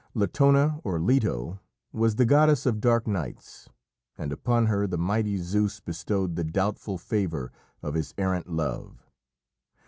Latona, or Leto, was the goddess of dark nights, and upon her the mighty Zeus bestowed the doubtful favour of his errant love.